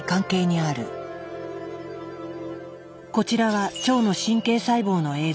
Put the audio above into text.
こちらは腸の神経細胞の映像。